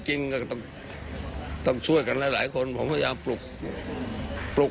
ก็ต้องช่วยกันหลายคนผมก็อยากปลุก